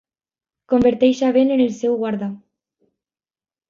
Converteix a Ben en el seu guarda.